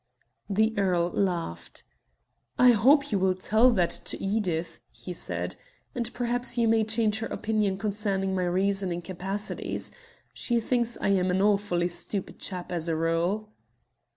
The earl laughed. "I hope you will tell that to Edith," he said, "and perhaps you may change her opinion concerning my reasoning capacities. She thinks I am an awfully stupid chap as a rule."